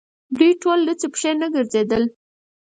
دوی ټول لڅې پښې نه ګرځېدل.